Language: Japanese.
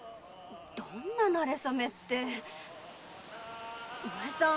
どんな馴れ初めってお前さん？